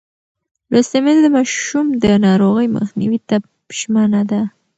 لوستې میندې د ماشوم د ناروغۍ مخنیوي ته ژمنه ده.